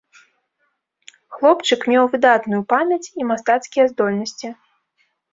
Хлопчык меў выдатную памяць і мастацкія здольнасці.